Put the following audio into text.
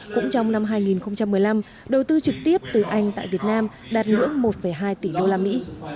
cũng trong năm hai nghìn một mươi năm đầu tư trực tiếp từ anh tại việt nam đạt ngưỡng một hai tỷ đô la mỹ